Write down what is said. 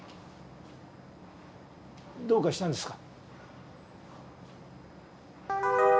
どうかしたんですか？